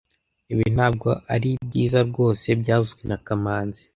Ibi ntabwo ari byiza rwose byavuzwe na kamanzi